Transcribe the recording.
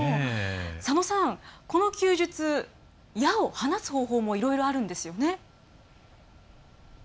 佐野さん、この弓術矢を放つ方法もいろいろあるんですよね。